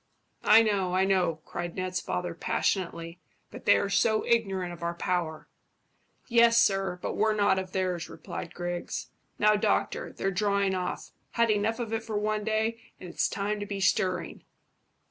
"I know, I know," cried Ned's father passionately; "but they are so ignorant of our power." "Yes, sir, but we're not of theirs," replied Griggs. "Now, doctor, they're drawing off. Had enough of it for one day, and it's time to be stirring."